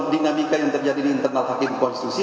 dinamika yang terjadi di internal hakim konstitusi